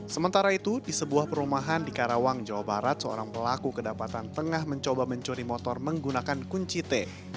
sementara itu di sebuah perumahan di karawang jawa barat seorang pelaku kedapatan tengah mencoba mencuri motor menggunakan kunci t